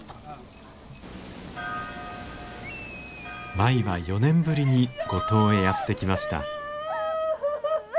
舞は４年ぶりに五島へやって来ました。